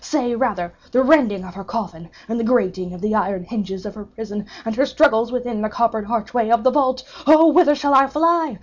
—say, rather, the rending of her coffin, and the grating of the iron hinges of her prison, and her struggles within the coppered archway of the vault! Oh whither shall I fly?